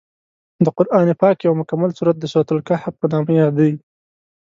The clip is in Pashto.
د قران پاک یو مکمل سورت د سورت الکهف په نامه دی.